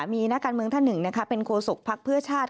มีนักการเมืองท่านหนึ่งเป็นโคศกภักดิ์เพื่อชาติ